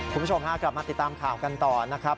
คุณผู้ชมฮะกลับมาติดตามข่าวกันต่อนะครับ